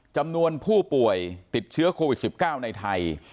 จำนวนผู้ป่วยติดเชื้อโควิด๑๙ในไทย